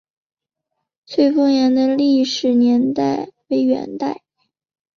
翠峰岩的历史年代为元代。